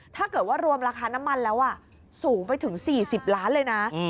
ถ้าเกิดว่ารวมราคาน้ำมันแล้วสูงไปถึง๔๐ล้านเลยนะ